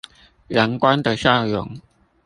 陽光的笑容